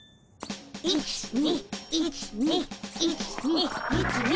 １２１２１２１２。